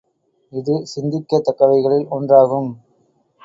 இது சிந்திக்கத் தக்கவைகளில் ஒன்றாகும்.